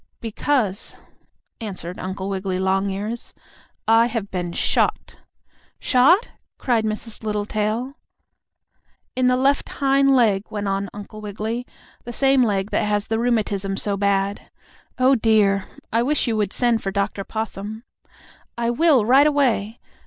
"Because," answered Uncle Wiggily Longears, "I have been shot." "Shot?" cried Mrs. Littletail. "In the left hind leg," went on Uncle Wiggily. "The same leg that has the rheumatism so bad. Oh, dear! I wish you would send for Dr. Possum." "I will, right away.